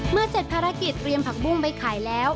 เมื่อเจ็บภารกิจเรียนผักบุ้งไปขายแล้ว